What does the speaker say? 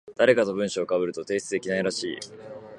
誰かと文章被ると提出できないらしい。